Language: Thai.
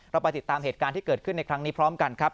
ไปติดตามเหตุการณ์ที่เกิดขึ้นในครั้งนี้พร้อมกันครับ